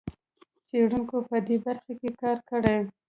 څېړونکو په دې برخه کې کار کړی.